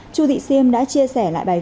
chu thị siêm đã chia sẻ lại bài báo